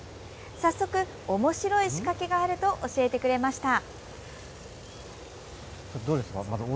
早速、おもしろい仕掛けがあると教えてくれました。